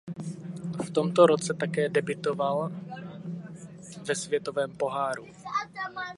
V tomto roce také debutoval ve Světovém poháru.